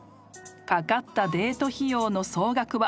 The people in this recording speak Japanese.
［かかったデート費用の総額は］